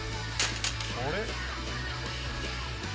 あれ？